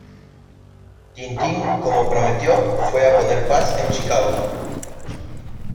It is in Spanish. Tintín, como prometió, fue a poner paz en Chicago.